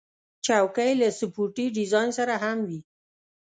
چوکۍ له سپورټي ډیزاین سره هم وي.